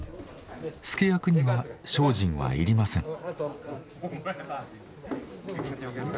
佐役には精進はいりません。